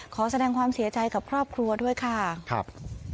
ขอแสดงความเสียใจกับครอบครัวด้วยค่ะครับ